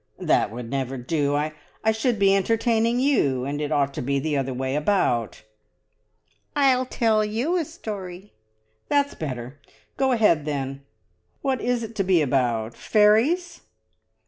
"That would never do. I should be entertaining you, and it ought to be the other way about." "I'll tell you a story!" "That's better. Go ahead, then. What is it to be about? Fairies?"